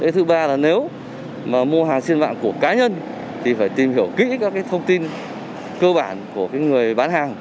thứ ba là nếu mà mua hàng trên mạng của cá nhân thì phải tìm hiểu kỹ các thông tin cơ bản của người bán hàng